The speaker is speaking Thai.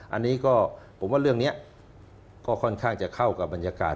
อันนี้ก็ผมว่าเรื่องนี้ก็ค่อนข้างจะเข้ากับบรรยากาศ